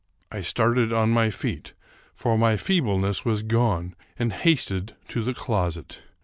I started on my feet, for my feebleness was gone, and hasted to the closet.